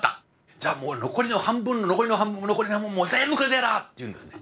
じゃあもう残りの半分の残りの半分の残りの半分も全部くれてやらあ」って言うんですね。